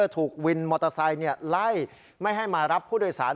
ถูกวินมอเตอร์ไซค์ไล่ไม่ให้มารับผู้โดยสาร